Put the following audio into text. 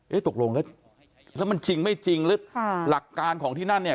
ตกลงแล้วแล้วมันจริงไม่จริงหรือหลักการของที่นั่นเนี่ย